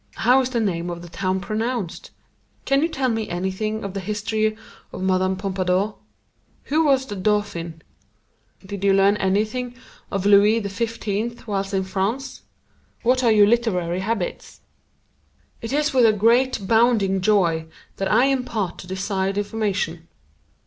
How is the name of the town pronounced? Can you tell me anything of the history of Mme. Pompadour? Who was the Dauphin? Did you learn anything of Louis XV whilst in France? What are your literary habits?" It is with a great, bounding joy that I impart the desired information.